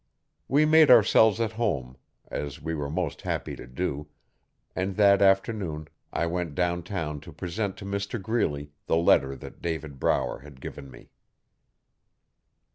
We made ourselves at home, as we were most happy to do, and that afternoon I went down town to present to Mr Greeley the letter that David Brower had given me.